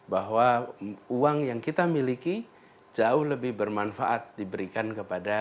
bahwa uang yang kita miliki jauh lebih bermanfaat diberikan kepada